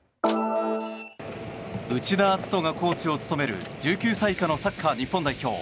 内田篤人がコーチを務める１９歳以下の日本代表。